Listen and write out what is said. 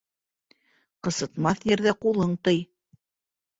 Ҡысытмаҫ ерҙә ҡулың тый.